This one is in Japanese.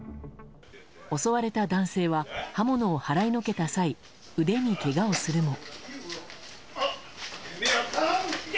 襲われた男性は刃物を払いのけた際腕にけがをするも。